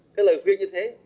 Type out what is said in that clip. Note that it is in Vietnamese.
cái lời khuyên như thế